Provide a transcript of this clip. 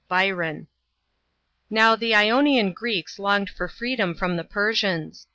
BYRON. Now the Ionian Greeks longed for freedom from the Persians.